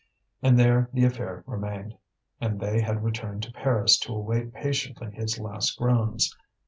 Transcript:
And there the affair remained, and they had returned to Paris to await patiently his last groans.